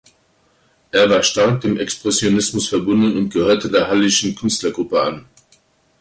Er war stark dem Expressionismus verbunden und gehörte der „Hallischen Künstlergruppe“ an.